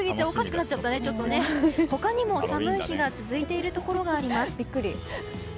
他にも寒い日が続いているところがあります。